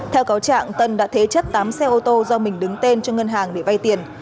theo cáo trạng tân đã thế chất tám xe ô tô do mình đứng tên cho ngân hàng để vay tiền